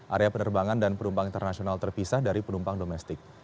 area penerbangan dan penumpang internasional terpisah dari penumpang domestik